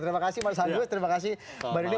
terima kasih mas agus terima kasih mbak rini